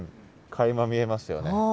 かいま見えますよね。